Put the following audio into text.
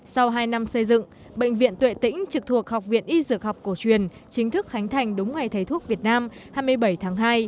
sau hai năm xây dựng bệnh viện tuệ tĩnh trực thuộc học viện y dược học cổ truyền chính thức khánh thành đúng ngày thầy thuốc việt nam hai mươi bảy tháng hai